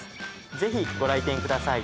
ぜひご来店ください。